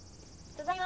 ただいま。